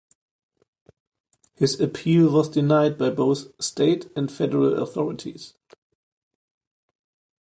His appeal was denied by both state and federal authorities.